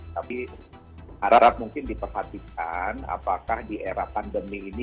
tapi harap mungkin diperhatikan apakah di era pandemi ini